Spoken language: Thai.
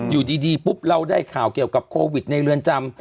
อยู่ดีปุ๊บเราได้ข่าวเกี่ยวกับโควิดในเรือนจำ